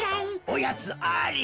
おやつあり！